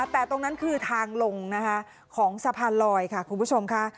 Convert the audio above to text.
แต่ตรงนั้นคือทางลงนะคะของสะพานลอยค่ะคุณผู้ชมค่ะ